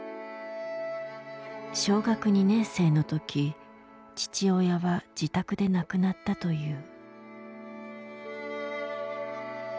小学２年生の時父親は自宅で亡くなったという。